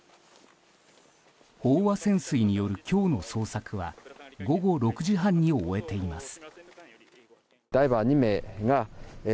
飽和潜水による今日の捜索は午後６時半に終えています。